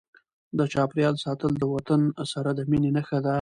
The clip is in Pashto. د چاپیریال ساتل د وطن سره د مینې نښه ده.